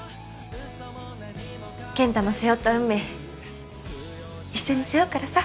健太の背負った運命一緒に背負うからさ。